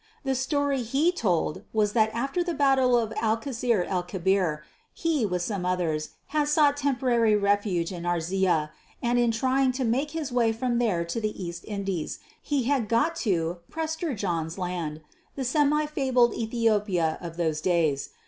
The story he told was that after the battle of Alcaçer el Kebir he with some others, had sought temporary refuge in Arzilla and in trying to make his way from there to the East Indies, he had got to "Prester John's" land the semi fabled Ethiopia of those days.